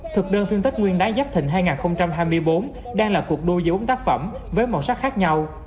thực đơn phim tết nguyên đáng giáp thịnh hai nghìn hai mươi bốn đang là cuộc đua giữa bốn tác phẩm với màu sắc khác nhau